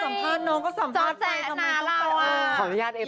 สัมภาษณะน้องก็สัมภาษณ์เข้ามาทำไมต้องตอบ